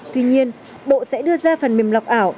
tuy nhiên bộ sẽ đưa ra phần mềm lọc ảo